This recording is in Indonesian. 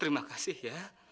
terima kasih ya